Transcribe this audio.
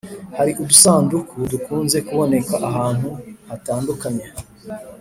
Hari udusanduku dukunze kuboneka ahantu hatandukanye